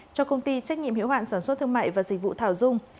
cho công ty trách nhiệm hiếu hoạn sản xuất thương mại và dịch vụ thảo dung